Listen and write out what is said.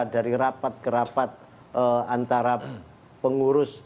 dari rapat ke rapat antara pengurus